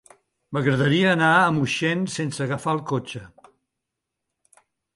M'agradaria anar a Moixent sense agafar el cotxe.